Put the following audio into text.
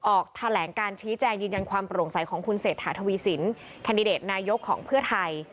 ออกแถลงการชี้แจงยืนยันความโปร่งใสของคุณเศรษฐาทวีสินแคนดิเดตนายกของเพื่อไทย